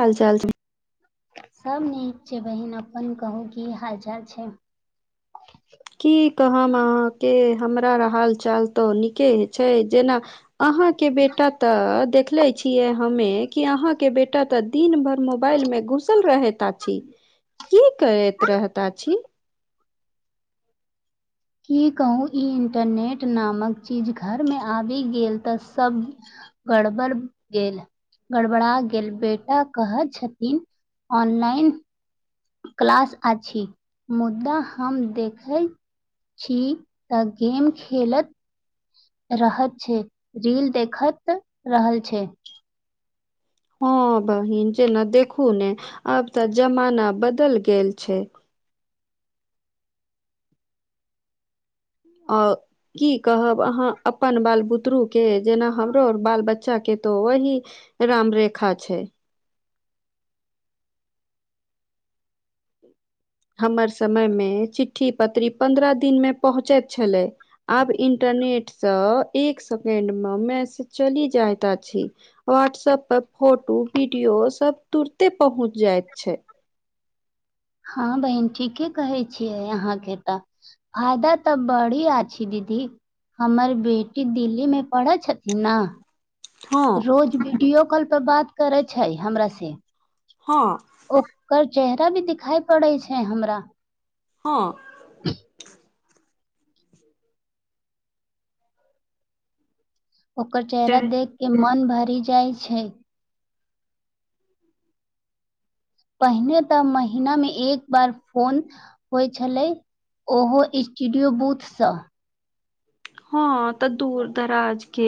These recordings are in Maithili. हाल चाल सब नीक छैय बहिन अपन कहू की हाल चाल छैय। की कहब अहाँके हमरा हालचाल तऽ नीके छैय जेना अहां के बेटा त देखले छीयै हमे कि आहां के बेटा त दिन भर मोबाइल मे घुसल रहैत अछि की करैत रहैत अछि? की कहू ई इन्टरनेट नामक चीज घरमे आबि गेल तऽ सभ गड़बड़ गेल। गड़बड़ा गेल बेटा कहै छथिन ऑनलाइन क्लास अछि मुदा हम देखै छी तऽ गेम खेलत रहैत छैय रील देखैत रहल छैय। हँ बहिन जेना देखु ने आब तऽ जमाना बदल गेल छैय। अ की कहब अहाँ अपन बाल बुतरूके, जेना हमरो बाल बच्चाके तऽ ओही। रामरेखा छै। हमर समयमे चिठ्ठी पत्री पन्द्रह दिनमे पहुँचैत छलै। आब इंटरनेटसँ एक सेकेंडमे मैसेज चलि जाइत छै। व्हाट्सऐप पर फोटो वीडियो सभ तुरते पहुँचि जाइत छै। हँ बहिन, ठीके कहै छियै अहाँकेँ तऽ। फायदा तऽ बड़िए छै, दीदी। हमर बेटी दिल्लीमे पढ़ै छथिन ने। हँ रोज वीडियो कॉल पर बात करै छै हमरासँ। हँ ओकर चेहरा भी दिखाई पड़ै छै हमरा। हँ ओकर चेहरा देखि कऽ मोन भरि जाइत छै। [inaudible] पहिने तऽ महिनामे एक बेर फोन होइत छलै। ओहो, स्टूडियो बूथसँ। हँ तऽ, दूर दराजक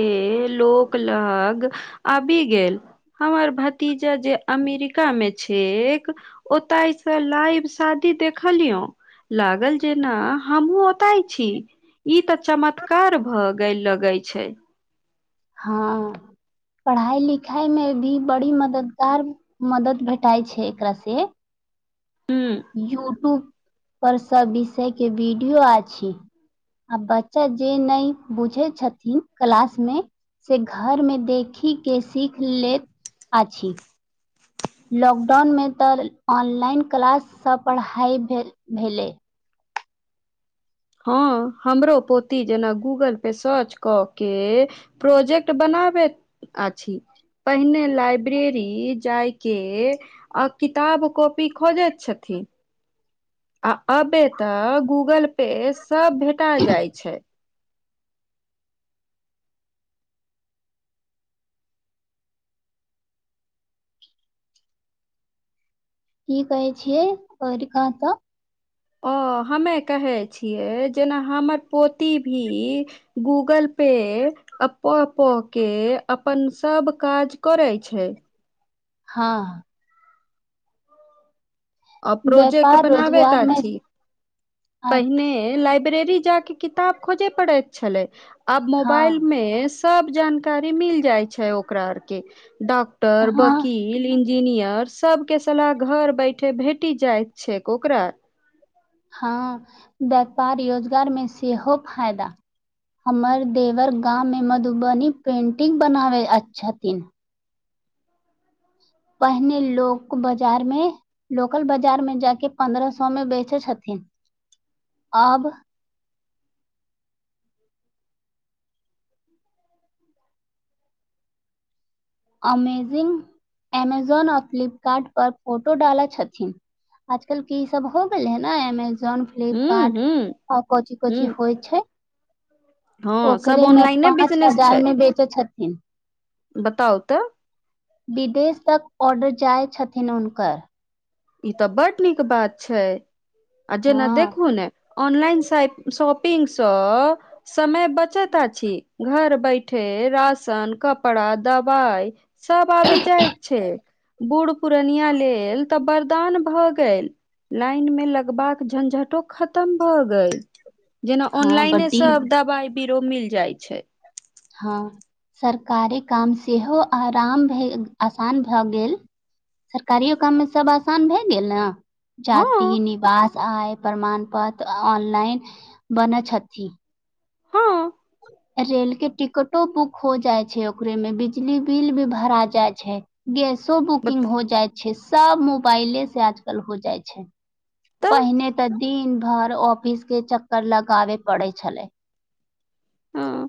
लोक लग आबि गेल। हमर भतीजा जे अमेरिकामे छै। ओतहिसँ लाइव शादी देखलियौ। लागल जेना हमहूँ ओतय छी, ई तऽ चमत्कार छै। कार भऽ गेल, लगे छै। हँ पढ़ाइ लिखाइमे भी बड़ी मददगार मदद भेटाइ छै एकरासँ। हू यूट्यूब पर सभ विषयके वीडियो अछि। आ बच्चा जे नहि बुझैत छथिन क्लासमे। से घरमे देखि कऽ सीखि लैत अछि। लॉकडाउनमे तऽ ऑनलाइन क्लाससँ पढ़ाइ भेलै। हँ, हमरो पोती जेना गूगल पर सर्च कऽ के। प्रोजेक्ट बनाबै अछि। पहिने लाइब्रेरी जाय के। आ किताब कॉपी खोजैत छथिन। आब तऽ गूगल पर सभ भेटि जाइत छै। की कहै छियै? करऽ कहऽ तऽ। ओ हमे कहै छियै, जेना हमर पोती भी। गूगल पे अप्पन सभ काज अपने करै छै। हँ आ प्रोजेक्ट व्यापार बनाबैत रोजगार मे छी। पहिने लाइब्रेरी जा कऽ किताब खोजऽ पड़ैत छलै। आब हँ मोबाइलमे सभ जानकारी मिलि जाइत छै ओकरा आओर की। डॉक्टर, हँ वकील इंजीनियर सभकेँ सलाह घर बैठे भेटि जाइत छै ओकरा। हँ, व्यापार रोजगारमे सेहो बहुत फायदा होइत छै। हमर देवर गाममे मधुबनी पेंटिंग बनबैत छथिन। पहिने लोक सभ बाजारमे लोकल बाजारमे जा कऽ पन्द्रह सए मे बेचैत छथिन आब। [inaudible] अमेजन आ फ्लिपकार्ट पर फोटो डालैत छथिन। आजुकाल्हि ई सभ हो गेल छै ने, अमेजन। हूं फ्लिपकार्ट हूं आ कची कची हूं होइ छैय? हँ सब ओकरेमे ऑनलाइने पाँच बिजनेस छै हजार मे बेचै छथिन। बताउ तऽ। विदेश तक ऑर्डर जाइत छथिन हुनकर। ई तऽ बड नीक बात छैय आ जेना हँ देखू ने ऑनलाइन शॉपिंगसँ समय बचत अछि घर बैठ ठे राशन कपड़ा दबाई सब आबि जाइत छैय। बूढ़ पुरनिया लेल तऽ वरदान भऽ गेल। लाइन में लगबाक झंझटो खतम भए गेल। जेना हँ ऑनलाइने बड्डी सब दबाई बीरो मिल जाइ छैय। हँ सरकारी काम सेहो आराम भ आसान भए गेल। सरकारियो काममे सब आसान भए गेल ने? हँ जाति निवास आय प्रमाण पत्र ऑनलाइन बनैत छथि। हँ रेल के टिकटो बुक हो जाइ छैय ओकरे में बिजली बिल भी भरा जाइ छैय। गैसो बुकिंग बता हो जाइ छैय सब मोबाइले से आजकल हो जाइ छैय। तऽ पहिने त दिन भर ऑफिस के चक्कर लगाबे पड़े छलय। हां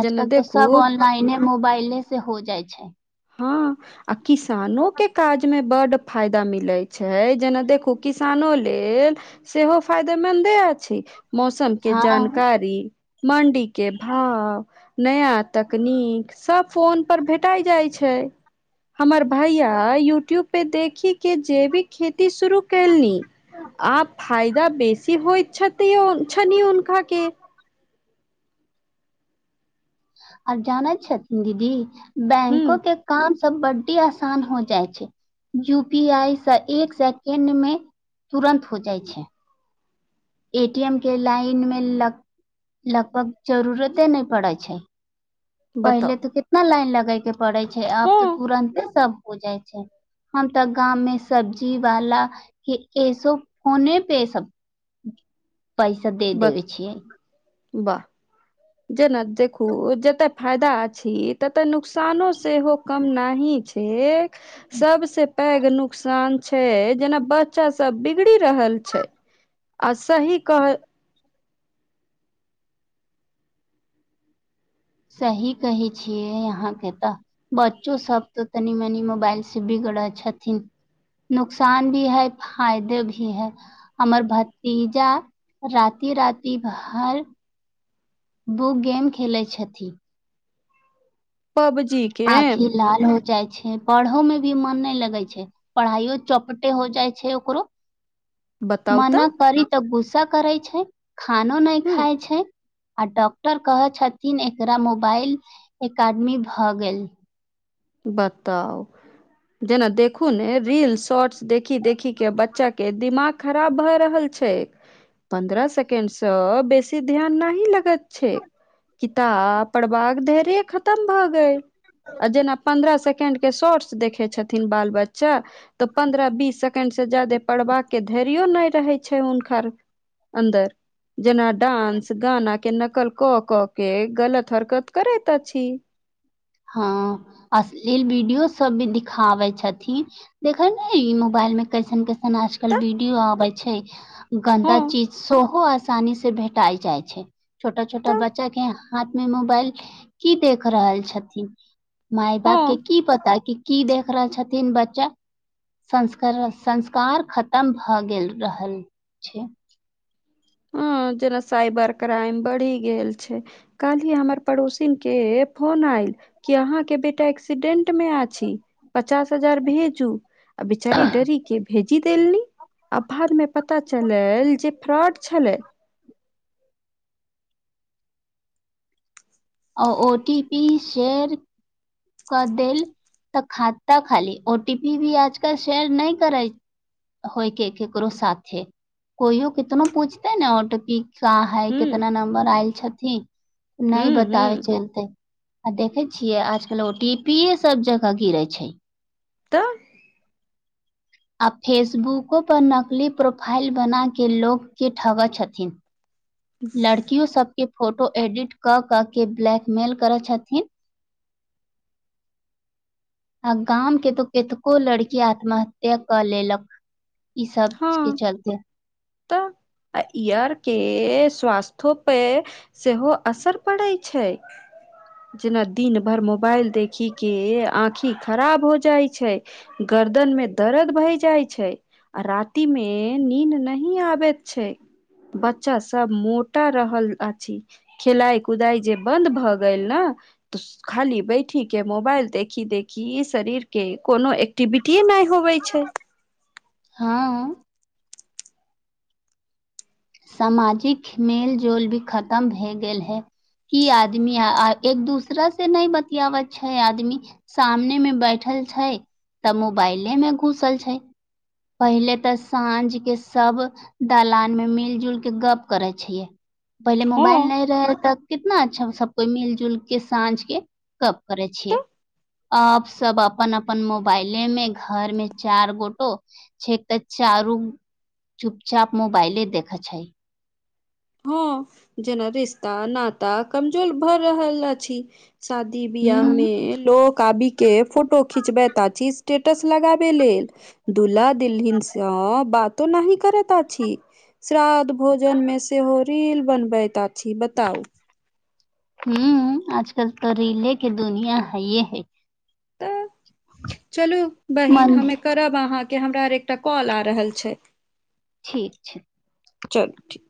आजकल तऽ सब ऑनलाइने मोबाइले से हो जाइ छैय। हँ आ किसानो के काज मे बड्ड फायदा मिलैत छैय जेना देखू किसानो लेल सेहो फायदा मन्दे अछि। मौसम के हँ जानकारी मण्डी के भाव नया तकनीक सब फोन पर भेटाय जाय छैय। हमर भैया यूट्यूब पे देखी के जैविक खेती शुरू कैलनी आप फायदा बेसी होइत छथि छनि हुनकाके। आर जानैत छथिन दीदी हूँ बैंको के काम सब बड्डी आसान हो जाइ छैय। यू पी आई सँ एक सेकेंडमे तुरन्त हो जाइत छैय। ए टी एम के लाइन मे ल लगभग जरूरते न पड़े छैय। बताउ पहिले तऽ कितना लाइन लगे के पड़े छैय आब तऽ हँ तुरन्ते सब हो जाइ छैय। हम तऽ गाममें सब्जी वाला एसो फोने पे सब पैसा दे बत देबै छीयै। वाह जेना देखू जते फायदा अछि तते नुकसानो सेहो कम नहि छैय। एक सबसे पैघ नुकसान छैय जेना बच्चा सब बिगड़ी रहल छैय। आ सही कह सही कहै छियै अहाँ के तऽ बच्चो सब तऽ तनी मनी मोबाइल से बिगरी छथिन। नुकसान भी है फायदे भी है। हमर भतीजा राति राति भर बु गेम खेलै छथि। पबजी गेम आँखि लाल हो जाइ छैय। पढ़ो में भी मन नहि लगै छैय पढ़ाइयो चौपटे हो जाइ छैय ओकरो। बताउ मना तऽ करी तऽ गुस्सा करै छैय खानो नहि हूं खाय छैय आ डॉक क्टर कहे छथिन एकरा मोबाइल एकेडमी भ गेल। बताउ जेना देखु ने रील्स शॉर्ट्स देखी देखी के बच्चा के दिमाग खराब भऽ रहल छैय। पन्द्रह सेकेंडसँ बेसी ध्यान नहि लगैत छैय। किताब पढ़बाक धैर्य खतम भऽ गए आ जेना पन्द्रह सेकेंड के शॉर्ट्स देखय छथिन बाल बच्चा तऽ पन्द्रह बीस सेकेंड से ज्यादे पढ़बाके धैर्य नहि रहै छैय हुनकर। अन्दर जेना डांस गाना के नकल क क के गलत हरकत करैत अछि। हँ असलील वीडियो सब भी दिखाबै छथिन। देखय नहि ई मोबाइल में कैसन कैसन आजकल तऽ वीडियो आबे छैय गन्दा हँ चीज सोहो आ आसानी से भेटाई जाइ छैय छोटा छोटा तऽ बच्चा के हाथ में मोबाइल की देख रहल छथिन माय बाप हँ के की पता कि की देख रहल छथिन बच्चा? संस्कार संस्कार खतम भए गेल रहल छैय। हँ जेना साइबर क्राइम बढ़ि गेल छैय। काल्हि हमर पड़ोसिन के फोन आयल कि अहाँके बेटा एक एक्सीडेंट मे आ छी पचास हजार भेजू आ बेचारी डरी के भेज जी देलनि आ बाद मे पता चलल जे फ्रॉड छलै। आ ओ टी पी शेयर क देेल तऽ खाता खाली ओटी पी भी आजकल शेयर नहि करै होय के केकरो साथे कोइो केतनो पूछतेै न ओ टी पी सा हय हूं कितना नम्बर आयल छथिन नहि हूं हूं बताबे चलते। आ देखय छियै आजकल ओ टी पीे सब जगह गिरय छैय। तऽ आ फेसबुको पर नकली प्रोफाइल बनाके लोकके ठगै छथिन। लड़कियो सबके फोटो एडिट क कऽ के ब्लैकमेल करै छथिन। [inaudible] आ गाम के तो केतको लड़की आत्महत्या क लेलक। ई सब के हँ चलते। तऽ आ इ आर के स्वास्थ्यो पे सेहो असर पड़य छैय। जेना दिन भर मोबाइल देखिके आँखि खराब हो जाइ छैय। गर्दन में दर्द भय जाइ छैय आ राति मे नीन्द नहि नहि आबैत छैय बच्चा सब मोटा रहल अछि। खेलाइ कुदाइ जे बन्द भऽ गेल ने तऽ खाली बैठिके मोबाइल देखी देखी शरीरके कोनो एक्टिविटिए नहि होबै छैय। हँ सामाजिक मेलजोल भी खतम भए गेल हय। की आदमी एक दूसरा से नहि बतियाबे छैय आदमी। सामने मे बैठल छैय तऽ मोबाइले मे घुसल छैय। पहले तऽ साँझ के सब दलान में मिल मिल जुल के गप्प करे छियै पहिले हँ मोबाइल नहि रहे तऽ कितना अच्छा सब कोइ मिल जुल के साँझ के गप करै तऽ छियै। अ सब अपन अपन मोबाइले में घर मे चार गोटो छैय तो चारू चुपचाप मोबइले देखय छैैय। हँ जेना रिश्ता नाता कमजोर भऽ रहल अछि। शादी बिआाह हूँ में लोक काबी के फोटो खिचबैत अछि स्टेटस लगाबे लेल दुला दुल्हिन सब बातो नहि करैत अछि श्रध भोजन मे सेहो रील बनबैत अछि बताउ। हू आजकल तऽ रीले के दुनिया हये हय। त चलू बहिन मन हमे करब अहाँके हमरा आर एकटा कॉल आ रहल छै ठीक छै चलू ठीक